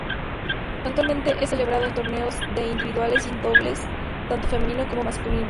Actualmente es celebrado en torneos de individuales y dobles, tanto femenino como masculino.